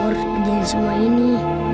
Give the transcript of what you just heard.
aku kerjain semua ini